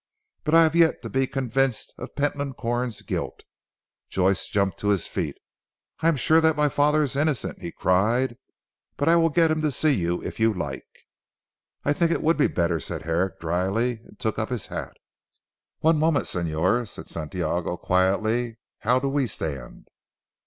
But I have yet to be convinced of Pentland Corn's guilt." Joyce jumped to his feet. "I am sure my father is innocent," he cried, "but I will get him to see you if you like." "I think it would be better," said Herrick dryly and took up his hat. "One moment, Señor," said Santiago quietly, "how do we stand?"